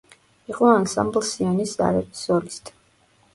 იყო ანსამბლ „სიონის ზარების“ სოლისტი.